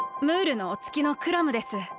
ムールのおつきのクラムです。